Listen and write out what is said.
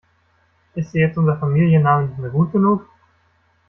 Ist dir jetzt unser Familienname nicht mehr gut genug?